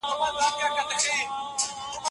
واه، زرګر چناره دسروزرو منګوټي راغله